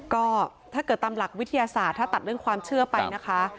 ก็ถ้าเกิดตามหลักวิทยาศาสตร์ถ้าตัดเรื่องความเชื่อไปนะคะ